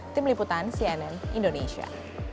tim liputan cnn indonesia